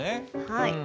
はい。